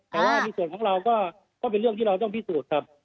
แต่ว่าในส่วนของเราก็เป็นเรื่องที่เราต้องพิสูจน์ครับ